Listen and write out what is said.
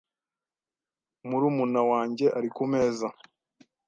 Murumuna wanjye ari kumeza .